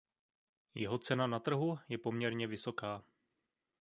Jeho cena na trhu je poměrně vysoká.